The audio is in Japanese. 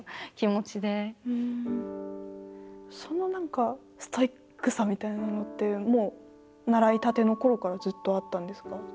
その何かストイックさみたいなのってもう習いたてのころからずっとあったんですか？